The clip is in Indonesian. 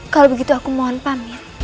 kalau begitu aku mohon pamit